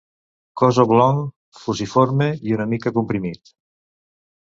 Cos oblong, fusiforme i una mica comprimit.